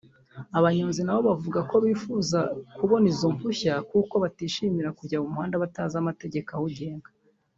Abanyonzi na bo bavuga ko bifuza kuba babona izo mpushya kuko batishimira kujya mu muhanda batazi amategeko awugenga